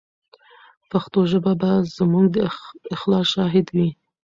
پښتو ژبه به زموږ د اخلاص شاهده وي.